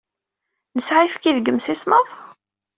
Nesɛa ayefki deg yimsismeḍ?